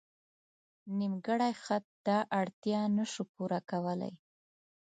نیمګړی خط دا اړتیا نه شو پوره کولی.